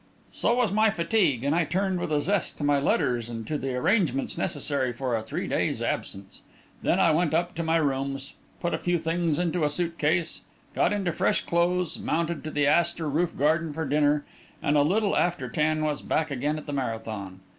So was my fatigue, and I turned with a zest to my letters and to the arrangements necessary for a three days' absence. Then I went up to my rooms, put a few things into a suit case, got into fresh clothes, mounted to the Astor roof garden for dinner, and a little after ten was back again at the Marathon.